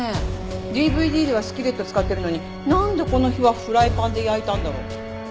ＤＶＤではスキレット使ってるのになんでこの日はフライパンで焼いたんだろう？